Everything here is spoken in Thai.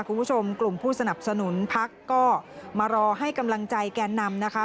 คุณผู้ชมกลุ่มผู้สนับสนุนพักก็มารอให้กำลังใจแกนนำนะคะ